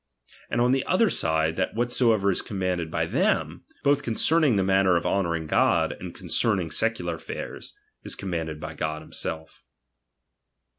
And on the other side, that whatsoever is commanded by them, both concern ing the manner of honouring God, and concerning secular affairs, is commanded by God himself.